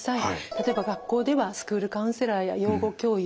例えば学校ではスクールカウンセラーや養護教諭。